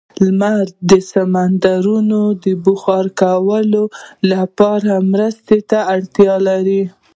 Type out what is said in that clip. لمر د سمندرونو د بخار کولو لپاره مرستې ته اړتیا لري.